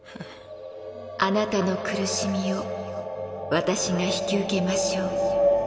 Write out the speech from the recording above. あなたの苦しみを私が引き受けましょう。